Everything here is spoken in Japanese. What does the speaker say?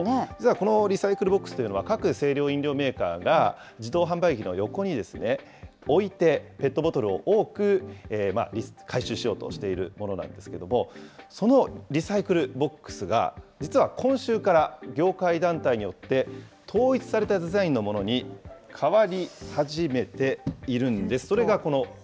このリサイクルボックスというのは、各清涼飲料メーカーが、自動販売機の横に置いて、ペットボトルを多く回収しようとしているものなんですけれども、そのリサイクルボックスが、実は今週から、業界団体によって統一されたデザインのものに変わり始めているんです。